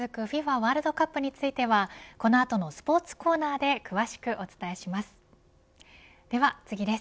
ワールドカップについてはこの後のスポーツコーナーで詳しくお伝えします。